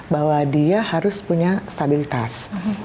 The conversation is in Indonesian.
bahwa dia harus punya stabilitas